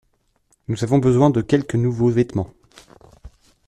Nous avons besoin de quelques nouveaux vêtements.